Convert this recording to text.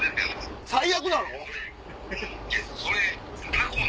最悪なの？